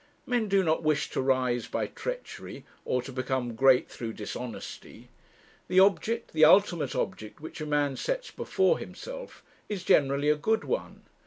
Men do not wish to rise by treachery, or to become great through dishonesty. The object, the ultimate object, which a man sets before himself, is generally a good one.